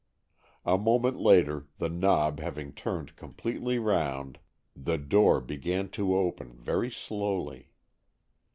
A moment later, the knob having turned completely round, the door began to open very slowly.